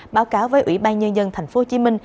báo cáo với ủy ban nhân dân tp hcm